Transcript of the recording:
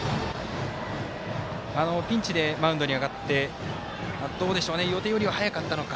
ピンチでマウンドに上がって予定よりは早かったのか。